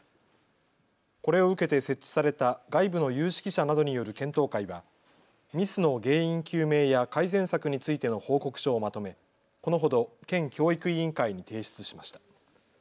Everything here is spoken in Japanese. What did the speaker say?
これを受けて設置された外部の有識者などによる検討会はミスの原因究明や改善策についての報告書をまとめ、このほど県教育委員会に提出しました。